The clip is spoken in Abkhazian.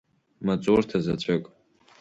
Маҵурҭа заҵәык.